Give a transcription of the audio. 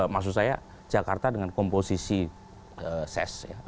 maksud saya jakarta dengan komposisi ses